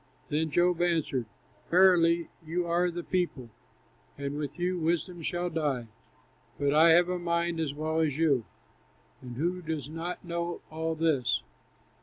Then Job answered: "Verily you are the people, And with you wisdom shall die! But I have a mind as well as you, And who does not know all this?